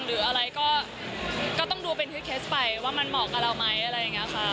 หรืออะไรก็ต้องดูเป็นเคสไปว่ามันเหมาะกับเราไหมอะไรอย่างนี้ค่ะ